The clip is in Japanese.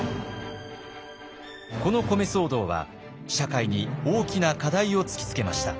この米騒動は社会に大きな課題を突きつけました。